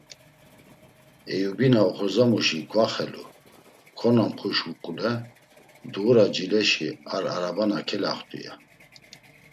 Eyubi oxorzamuşi gvaxelu, konamxu şuǩule: “Dğura cileşi ar arabana kelaxt̆u.” ya.